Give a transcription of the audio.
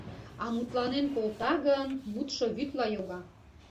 А мутланен колта гын, мутшо вӱдла йога.